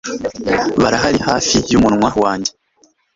Barahari hafi yumunwa wanjye